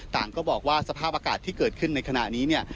ต่างก็บอกว่าสภาพอากาศที่เกิดขึ้นในขณะนี้เนี่ย